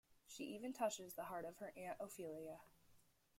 She even touches the heart of her Aunt Ophelia.